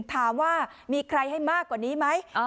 ถามว่ามีใครให้มากกว่านี้ไหม